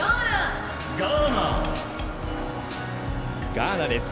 ガーナです。